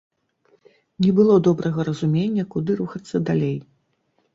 Не было добрага разумення, куды рухацца далей.